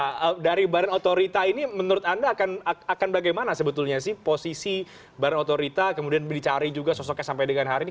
nah dari badan otorita ini menurut anda akan bagaimana sebetulnya sih posisi badan otorita kemudian dicari juga sosoknya sampai dengan hari ini